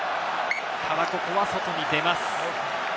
ただ、ここは外に出ます。